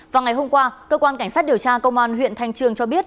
vào ngày hôm qua cơ quan cảnh sát điều tra công an huyện thanh trường cho biết